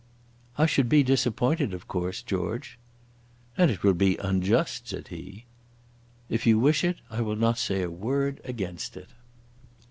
"I should be disappointed of course, George." "And it would be unjust," said he. "If you wish it I will not say a word against it."